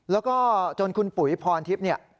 แล้วก็จนคุณปุ๋ยพรทิพย์เนี่ย